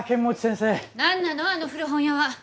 何なのあの古本屋は！